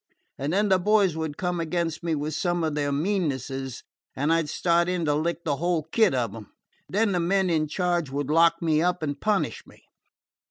And then the boys would come against me with some of their meannesses, and I 'd start in to lick the whole kit of them. Then the men in charge would lock me up and punish me.